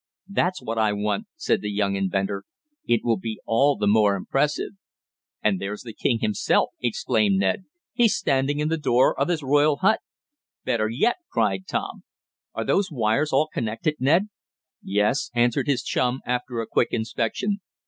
"That's what I want," said the young inventor. "It will be all the more impressive." "And there's the king himself!" exclaimed Ned. "He's standing in the door of his royal hut." "Better yet!" cried Tom. "Are those wires all connected, Ned?" "Yes," answered his chum, after a quick inspection.